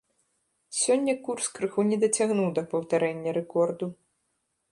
Сёння курс крыху не дацягнуў да паўтарэння рэкорду.